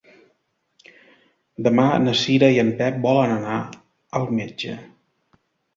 Demà na Cira i en Pep volen anar al metge.